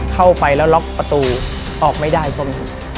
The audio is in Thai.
เข้าไปแล้วล็อกประตูออกไม่ได้ใช่ไหมครับ